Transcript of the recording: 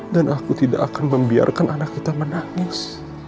dan aku tidak akan membiarkan anak kita menangis